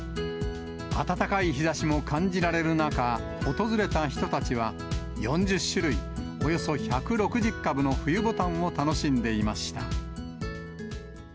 暖かい日ざしも感じられる中、訪れた人たちは、４０種類およそ１６０株の冬ぼたんを楽しんでいました。